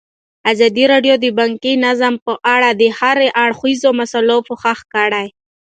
ازادي راډیو د بانکي نظام په اړه د هر اړخیزو مسایلو پوښښ کړی.